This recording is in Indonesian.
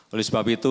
oleh sebab itu